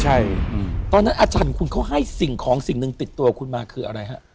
ใช่ตอนนั้นอาจารย์คุณเขาให้สิ่งของสิ่งหนึ่งติดตัวคุณมาคืออะไรฮะ